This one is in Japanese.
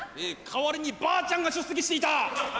代わりにばあちゃんが出席していた。